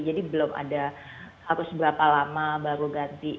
jadi belum ada harus berapa lama baru ganti